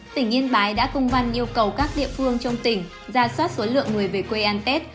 tỉnh yên bái đã công văn yêu cầu các địa phương trong tỉnh ra soát số lượng người về quê ăn tết